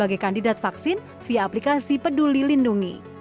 sebagai kandidat vaksin via aplikasi peduli lindungi